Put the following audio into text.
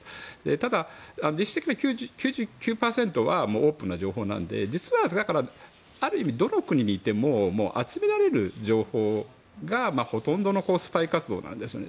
ただ、実質的には９９％はオープンな情報なのである意味、どの国にいても集められる情報がほとんどのスパイ活動なんですよね。